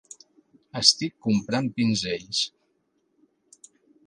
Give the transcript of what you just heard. Estic comprant pinzells.